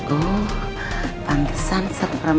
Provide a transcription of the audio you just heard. oh pantesan setrem